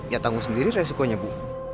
ya tanggung sendiri resikonya bu